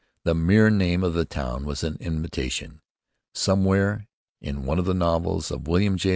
The mere name of the town was an invitation. Somewhere, in one of the novels of William J.